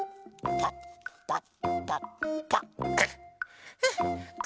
パッパッパッパッと。